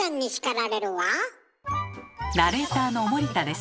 ナレーターの森田です。